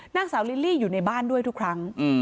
นางสาวลิลลี่อยู่ในบ้านด้วยทุกครั้ง